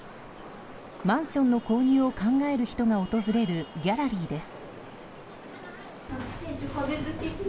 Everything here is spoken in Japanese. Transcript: マンションの購入を考える人が訪れるギャラリーです。